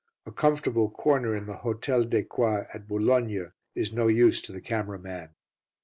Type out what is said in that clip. A comfortable corner in the Hôtel des Quoi, at Boulogne, is no use to the camera man.